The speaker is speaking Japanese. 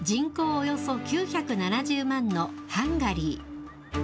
およそ９７０万のハンガリー。